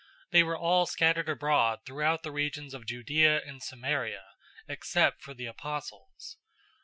They were all scattered abroad throughout the regions of Judea and Samaria, except for the apostles.